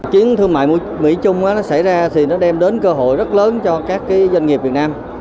chiến thương mại mỹ trung nó xảy ra thì nó đem đến cơ hội rất lớn cho các doanh nghiệp việt nam